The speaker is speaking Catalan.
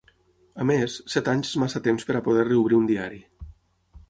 A més, set anys és massa temps per a poder reobrir un diari.